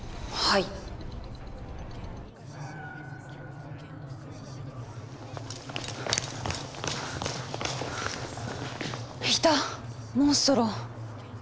いたモンストロ！